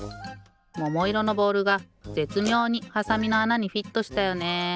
ももいろのボールがぜつみょうにはさみのあなにフィットしたよね。